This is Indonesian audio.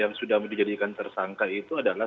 yang sudah dijadikan tersangka itu adalah